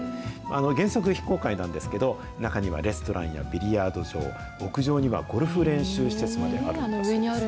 原則、非公開なんですけど、中にはレストランやビリヤード場、屋上にはゴルフ練習施設まであるんです。